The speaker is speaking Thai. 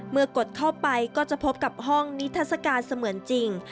กดเข้าไปก็จะพบกับห้องนิทัศกาลเสมือนจริง